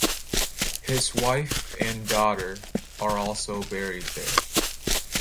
His wife and daughter are also buried there.